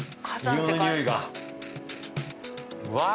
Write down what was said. うわ！